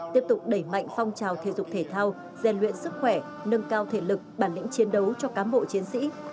tiếp tục đẩy mạnh phong trào thể dục thể thao dền luyện sức khỏe nâng cao thể lực bản lĩnh chiến đấu cho cám bộ chiến sĩ